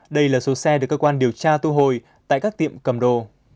đây là số xe được cơ quan điều tra thu hồi tại các tiệm cầm đồ